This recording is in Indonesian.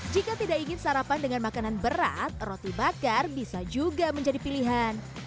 jika tidak ingin sarapan dengan makanan berat roti bakar bisa juga menjadi pilihan